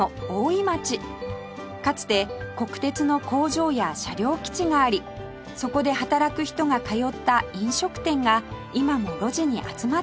かつて国鉄の工場や車両基地がありそこで働く人が通った飲食店が今も路地に集まっています